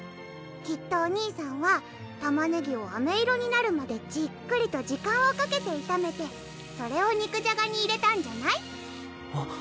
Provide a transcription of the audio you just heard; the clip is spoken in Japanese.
きっとお兄さんはたまねぎをあめ色になるまでじっくりと時間をかけていためてそれを肉じゃがに入れたんじゃない？